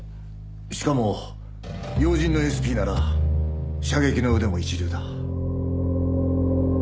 しかも要人のＳＰなら射撃の腕も一流だ。